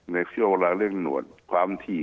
ในเวลาเลิกหนวดความที